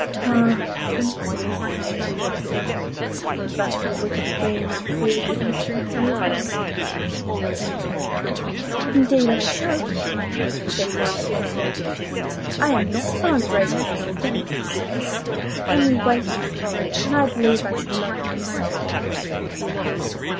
'Ah, Princess!' he said, 'but for the wicked Queen I fear you would never think of me at all.' 'Indeed I should,' said Graciosa; 'I am not so ungrateful as you think. Only wait a little and I believe I shall love you quite dearly.